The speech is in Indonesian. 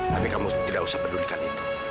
tapi kamu tidak usah pedulikan itu